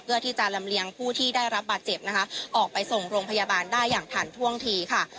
เพื่อที่จะลำเลียงผู้ที่ได้รับบาดเจ็บนะคะออกไปส่งโรงพยาบาลได้อย่างทันท่วงทีค่ะ